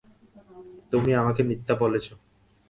তুমি আমাকে মিথ্যা বলেছ।